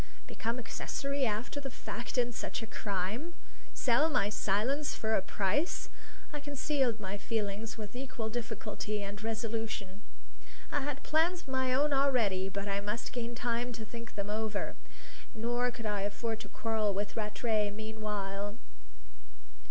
Become accessory after the fact in such a crime! Sell my silence for a price! I concealed my feelings with equal difficulty and resolution. I had plans of my own already, but I must gain time to think them over. Nor could I afford to quarrel with Rattray meanwhile.